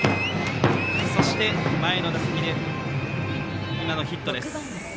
そして、前の打席で今のヒットです。